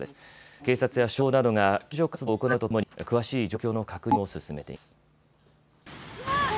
警察や消防などが救助活動を行うとともに詳しい状況の確認を進めています。